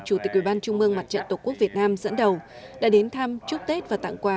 chủ tịch quy bán trung ương mặt trận tổ quốc việt nam dẫn đầu đã đến thăm chúc tết và tặng quà